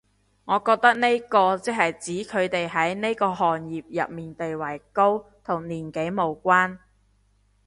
我覺得呢個即係指佢哋喺呢個行業入面地位高，同年紀無關